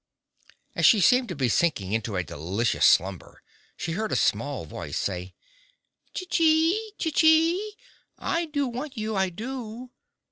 As she seemed to be sinking into a delicious slumber she heard a small voice say "Cece! Cece! I do want you, I do!"